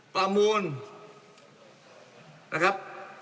ประมูลนะครับ